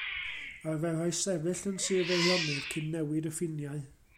Arferai sefyll yn Sir Feirionnydd cyn newid y ffiniau.